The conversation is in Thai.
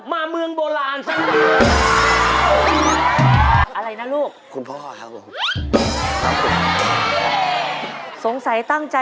มาก่อนเจ้าเจ้าพระยา